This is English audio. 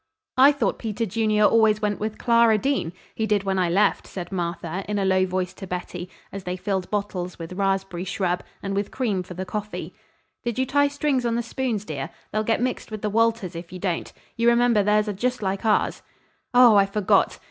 "I thought Peter Junior always went with Clara Dean. He did when I left," said Martha, in a low voice to Betty, as they filled bottles with raspberry shrub, and with cream for the coffee. "Did you tie strings on the spoons, dear? They'll get mixed with the Walters' if you don't. You remember theirs are just like ours." "Oh, I forgot.